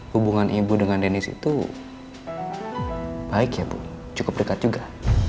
hubungan ibu dengan denis itu baik ya bu cukup dekat juga